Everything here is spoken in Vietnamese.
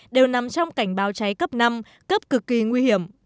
đều nằm trong cảnh báo cháy cấp năm cấp cực kỳ nguy hiểm